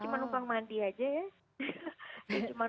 cuma numpang mandi aja ya